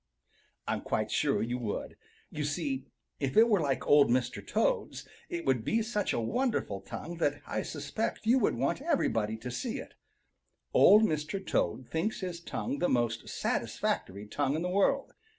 I'm quite sure you would. You see, if it were like Old Mr. Toad's, it would be such a wonderful tongue that I suspect you would want everybody to see it. Old Mr. Toad thinks his tongue the most satisfactory tongue in the world.